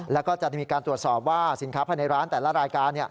แล้วก็จะมีการตรวจสอบว่าสินค้าภายในร้านแต่ละรายการ